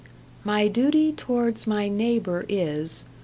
My duty towards my neighbour is